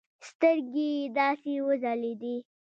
سترگې يې داسې وځلېدې.